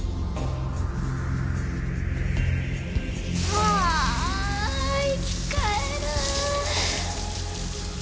あ生き返る。